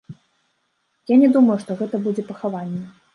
Я не думаю, што гэта будзе пахаванне.